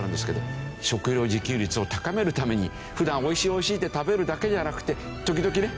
食料自給率を高めるために普段美味しい美味しいって食べるだけではなくて時々ね